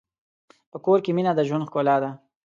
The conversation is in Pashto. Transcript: په کور کې مینه د ژوند ښکلا ده.